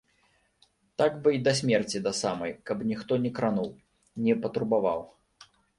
Так бы й да смерці да самай, каб ніхто не крануў, не патурбаваў.